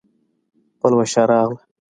پلوشه راغله